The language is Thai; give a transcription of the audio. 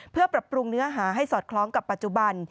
เพื่อปรับปรุงเนื้อหาให้สอดคล้องกับปัจจุบัน